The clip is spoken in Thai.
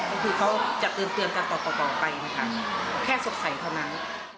ก็คือเขาจะเตือนกันต่อต่อไปนะคะแค่สดใสเท่านั้น